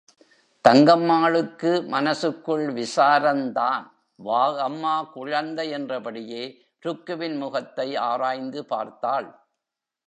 தங்கம்மாளுக்கு மனசுக்குள் விசாரந்தான்... வா அம்மா குழந்தை என்றபடியே ருக்குவின் முகத்தை ஆராய்ந்து பார்த்தாள்.